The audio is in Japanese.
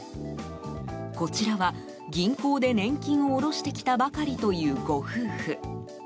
こちらは、銀行で年金を下ろしてきたばかりというご夫婦。